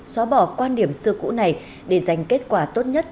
xóa bỏ quan điểm xưa cũ này để giành kết quả tốt nhất